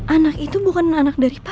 anak itu bukan anak dari pak